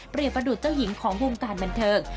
ประดุษเจ้าหญิงของวงการบันเทิง